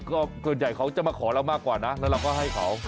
ก็ส่วนใหญ่เขาจะมาขอเรามากกว่านะแล้วเราก็ให้เขา